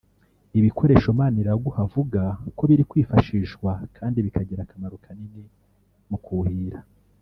Ibikoresho Maniraguha avuga ko biri kwifashishwa kandi bikagira akamaro kanini mu kuhira